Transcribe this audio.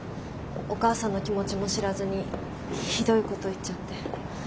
お母さんの気持ちも知らずにひどいこと言っちゃって。